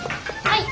はい。